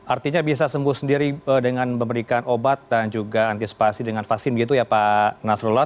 artinya bisa sembuh sendiri dengan memberikan obat dan juga antisipasi dengan vaksin begitu ya pak nasrullah